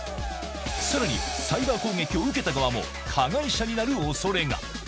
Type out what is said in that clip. さらにサイバー攻撃を受けた側も、加害者になるおそれが。